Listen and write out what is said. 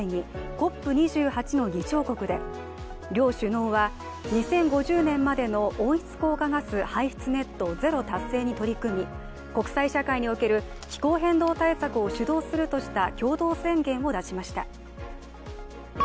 ＣＯＰ２８の議長国で、両首脳は２０５０年までの温室効果ガス排出ネット・ゼロ達成に取り組み国際社会における気候変動対策を主導するとした共同宣言を出しました。